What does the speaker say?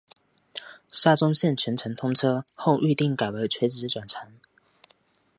沙中线全线通车后预定改为垂直转乘。